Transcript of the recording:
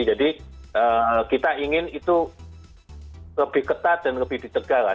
jadi kita ingin itu lebih ketat dan lebih ditegar lah